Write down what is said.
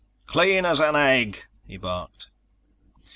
"Clean as an egg!" he barked.